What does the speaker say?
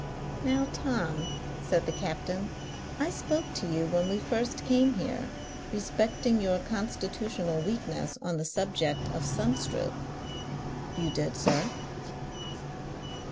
"Now, Tom," said the captain, "I spoke to you, when we first came here, respecting your constitutional weakness on the subject of sun stroke." "You did, sir."